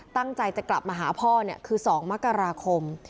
ตั้งใจจะกลับมาหาพ่อคือ๒มกราคม